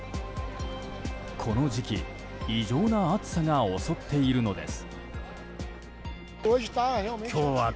この時期異常な暑さが襲っているのです。